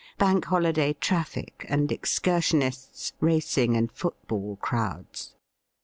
Bank Holiday traffic and excursionists, racing and football crowds.